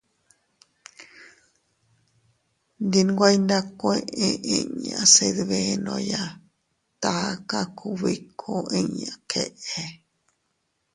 Ndi nweiyndakueʼe inña se dbenoya taka kubikuu iña keʼe.